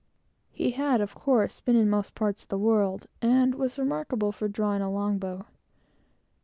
He had, of course, been in all parts of the world, and was remarkable for drawing a long bow.